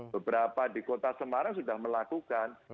beberapa di kota semarang sudah melakukan